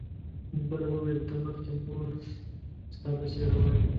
بل وویل ته مخکې موږ ستا پسې روان یو.